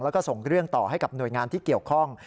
แล้วก็ส่งเรื่องต่อให้กับหน่วยงานที่เกี่ยวข้อง